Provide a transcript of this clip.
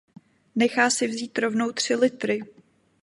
Nechá si vzít rovnou tři litry.